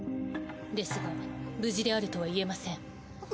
ですが無事であるとは言えません。